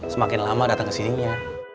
semakin lama dateng kesininya